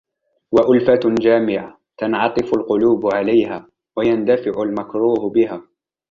وَأُلْفَةٌ جَامِعَةٌ تَنْعَطِفُ الْقُلُوبُ عَلَيْهَا وَيَنْدَفِعُ الْمَكْرُوهُ بِهَا